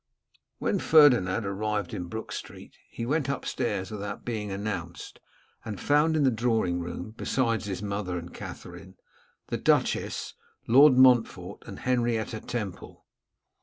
When Ferdinand arrived in Brook street, he went up stairs without being announced, and found in the drawing room, besides his mother and Katherine, the duchess, Lord Montfort, and Henrietta Temple.